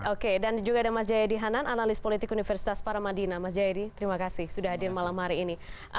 oke dan juga ada mas jayadi hanan analis politik universitas paramadina mas jayadi terima kasih sudah hadir malam hari ini